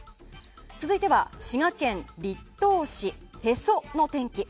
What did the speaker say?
続いては滋賀県栗東市綣の天気。